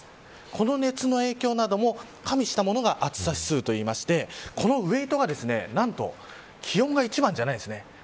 この熱の影響なども加味したものが、暑さ指数といいましてこのウエートが何と気温が一番じゃないんです。